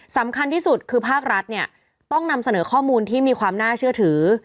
สำคัญที่สุดคือภาครัฐเนี่ยต้องนำเสนอข้อมูลที่มีความน่าเชื่อถือ